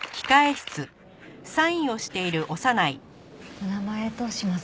お名前どうします？